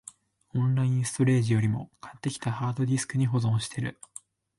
オンラインストレージよりも、買ってきたハードディスクに保存してる